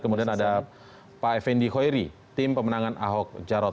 kemudian ada pak effendi hoiri tim pemenangan ahok jarot